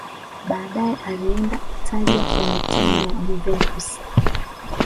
baadaye alienda italia kwenye timu ya juventus